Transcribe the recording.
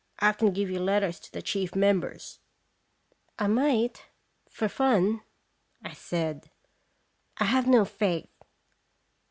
I can give you letters to the chief members." "I might for fun," I said; "I have no faith."